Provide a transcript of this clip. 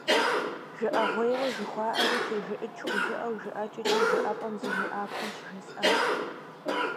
Жыӏэгъуейуэ жыхуаӏэри, тежыӏыкӏ хужыӏэу жыӏэкӏэкӏэ жыӏэпӏэм зыжеӏапхъэм щыжесӏэнщ.